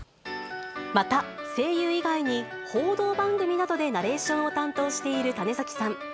また、声優以外に報道番組などでナレーションを担当している種崎さん。